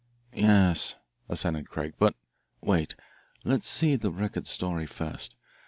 "Yes," assented Craig. "But wait. Let's see the Record story first.